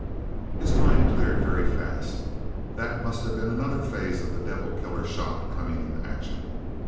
His mind cleared very fast that must have been another phase of the devil killer shot coming into action.